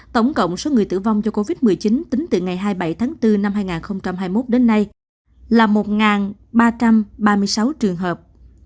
tổng cộng số người tử vong do covid một mươi chín tính từ ngày hai mươi bảy tháng bốn năm hai nghìn hai mươi một đến nay là một ba trăm ba mươi sáu trường hợp